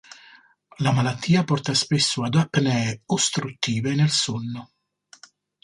La malattia porta spesso ad apnee ostruttive nel sonno.